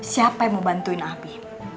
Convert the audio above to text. siapa yang mau bantuin api